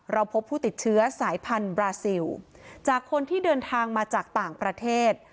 พบผู้ติดเชื้อสายพันธุ์บราซิลจากคนที่เดินทางมาจากต่างประเทศ